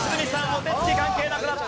お手つき関係なくなった。